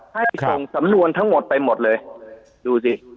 ให้ส่งสำนวนทั้งหมดไปหมดเลยดูสิ